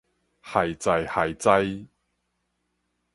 亥在亥在